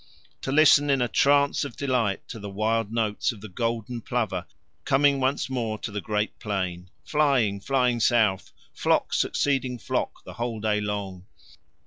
To listen in a trance of delight to the wild notes of the golden plover coming once more to the great plain, flying, flying south, flock succeeding flock the whole day long.